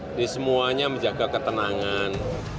jadi semuanya menjaga ketenangan